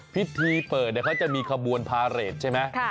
พิธีเปิดเขาจะมีขบวนพาเรทใช่ไหม